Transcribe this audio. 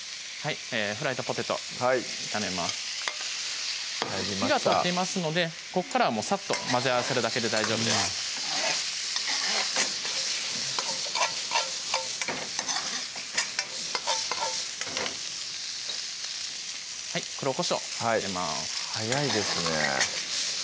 フライドポテト炒めます入りました火が通っていますのでここからはさっと混ぜ合わせるだけで大丈夫です黒こしょう入れます早いですね